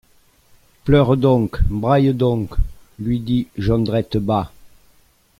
Pleure donc! braille donc ! lui dit Jondrette bas.